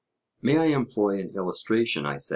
May I employ an illustration? I said.